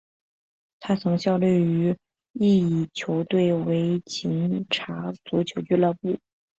他曾效力于意乙球队维琴察足球俱乐部。